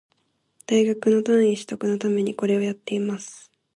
大学の単位取得のためにこれをやってます